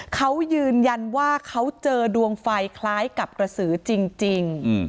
เขายืนยันว่าเขาเจอดวงไฟคล้ายกับกระสือจริง